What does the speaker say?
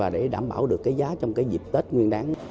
để đảm bảo giá trong dịp tết nguyên đáng